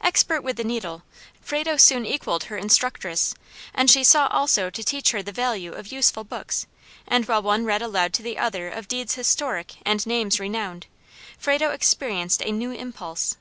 Expert with the needle, Frado soon equalled her instructress; and she sought also to teach her the value of useful books; and while one read aloud to the other of deeds historic and names renowned, Frado experienced a new impulse.